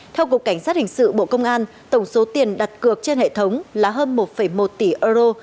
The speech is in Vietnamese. theo cục cảnh sát hình sự bộ công an tổng số tiền đặt cược trên hệ thống là hơn một một tỷ euro